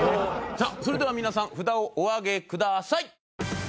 さあそれでは皆さん札をお上げください！